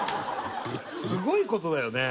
すごい事だよね。